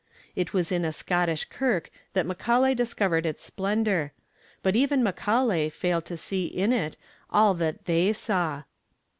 It was in a Scottish kirk that Macaulay discovered its splendor; but even Macaulay failed to see in it all that they saw.